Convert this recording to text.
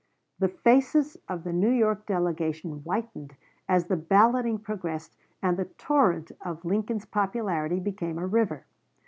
The faces of the New York delegation whitened as the balloting progressed and the torrent of Lincoln's popularity became a river.